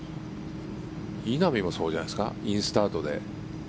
稲見もそうじゃないですかインスタートで。